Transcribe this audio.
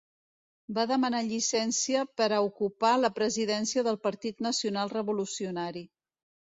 Va demanar llicència per a ocupar la presidència del Partit Nacional Revolucionari.